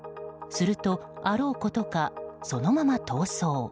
すると、あろうことかそのまま逃走。